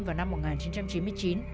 vào năm một nghìn chín trăm chín mươi chín